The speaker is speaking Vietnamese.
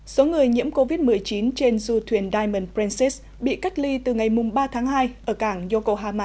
số người nhiễm covid một mươi chín trên du thuyền diamond princess bị cách ly từ ngày ba tháng hai ở cảng yokohama